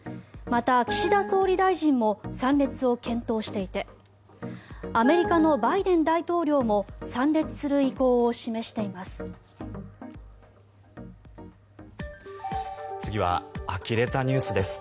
また岸田総理大臣も参列を検討していてアメリカのバイデン大統領も参列する意向を示しています。